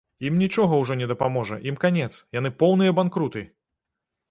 Ім нічога ўжо не дапаможа, ім канец, яны поўныя банкруты!